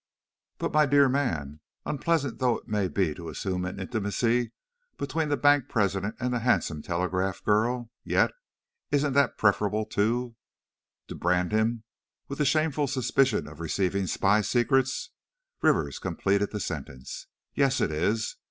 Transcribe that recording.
"But, my dear man, unpleasant though it be to assume an intimacy between the bank president and the handsome telegraph girl, yet, isn't that preferable, to " "To brand him with the shameful suspicion of receiving spy secrets!" Rivers completed the sentence. "Yes, it is!